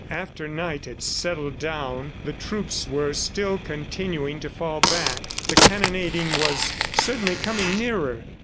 After night had settled down the troops were still continuing to fall back. The cannonading was certainly coming nearer.